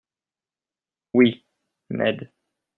—Oui, Ned.